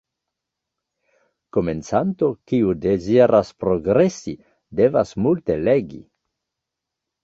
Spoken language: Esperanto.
Komencanto, kiu deziras progresi, devas multe legi.